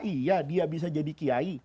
iya dia bisa jadi kiai